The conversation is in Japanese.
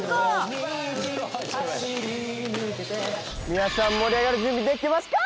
皆さん盛り上がる準備できてますか！